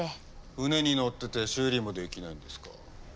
船に乗ってて修理もできないんですか？